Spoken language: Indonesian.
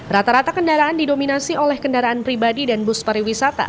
rata rata kendaraan didominasi oleh kendaraan pribadi dan bus pariwisata